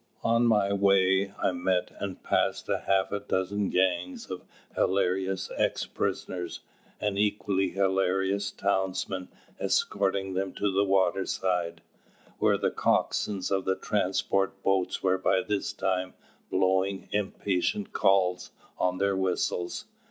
On my way I met and passed half a dozen gangs of hilarious ex prisoners and equally hilarious townsmen escorting them to the waterside, where the coxswains of the transport's boats were by this time blowing impatient calls on their whistles.